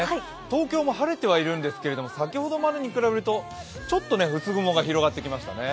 東京も晴れてはいるんですが先ほどまでに比べるとちょっと薄雲が広がってきましたね。